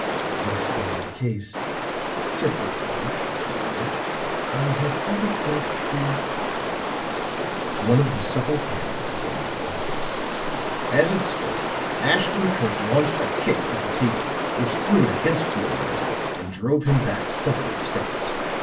"This being the case," said Okiu, smoothly, "I have thought it best to " One of the supple hands began to rise; as it stirred, Ashton Kirk launched a kick at the table which threw it against the Oriental and drove him back several steps.